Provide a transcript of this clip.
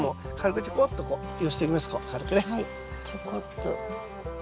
ちょこっと。